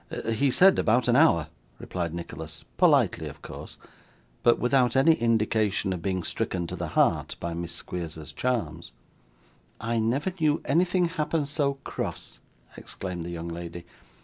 'He said about an hour,' replied Nicholas politely of course, but without any indication of being stricken to the heart by Miss Squeers's charms. 'I never knew anything happen so cross,' exclaimed the young lady.